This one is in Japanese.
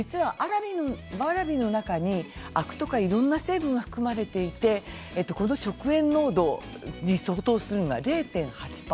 わらびの中にアクやいろんな成分が含まれていてこの食塩濃度に相当するのが０．８％。